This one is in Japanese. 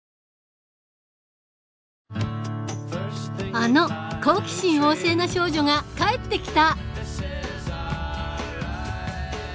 あの好奇心旺盛な少女が帰ってきた！